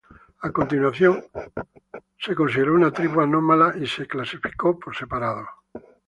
A continuación la se consideró una tribu anómala y se clasificó por separado.